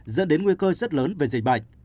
dẫn đến nguy cơ rất lớn về dịch bệnh